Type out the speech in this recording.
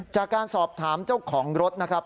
จากการสอบถามเจ้าของรถนะครับ